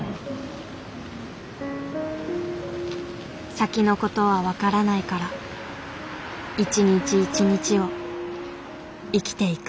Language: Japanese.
先のことは分からないから一日一日を生きていく。